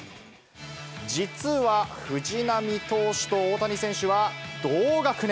実は藤浪投手と大谷選手は同学年。